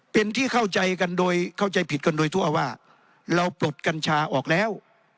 เป็นที่เข้าใจผิดกันโดยทั่วว่าเราปลดกัญชาออกแล้ว